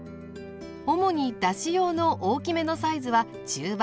主にだし用の大きめのサイズは「中羽」